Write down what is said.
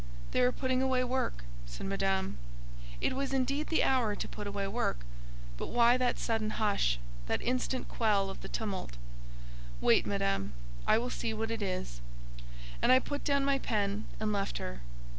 "They are putting away work," said Madame. It was indeed the hour to put away work, but why that sudden hush—that instant quell of the tumult? "Wait, Madame—I will see what it is." And I put down my pen and left her.